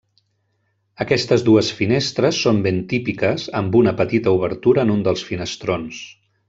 Aquestes dues finestres són ben típiques, amb una petita obertura en un dels finestrons.